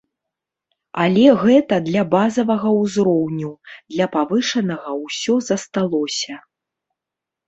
Але гэта для базавага ўзроўню, для павышанага ўсё засталося.